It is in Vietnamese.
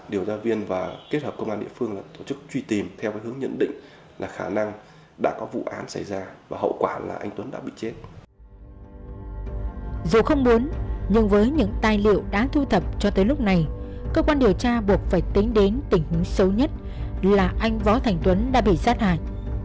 dù không muốn nhưng với những tài liệu đã thu thập cho tới lúc này cơ quan điều tra buộc phải tính đến tình huống xấu nhất là anh võ thành tuấn đã bị sát hại